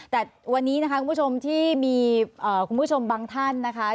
แต่วันนี้นะคะคุณผู้ชมที่มีคุณผู้ชมบางท่านนะคะ